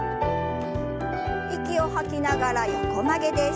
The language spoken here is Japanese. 息を吐きながら横曲げです。